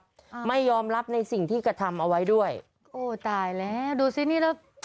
อ่าไม่ยอมรับในสิ่งที่กระทำเอาไว้ด้วยโอ้ตายแล้วดูซินี่แล้ว